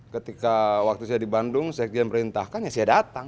ketika waktu saya di bandung sekjen perintahkan ya saya datang